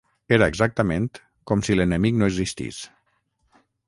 Era exactament com si l'enemic no existís